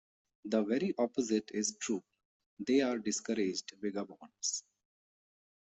The very opposite is true; they are discouraged vagabonds.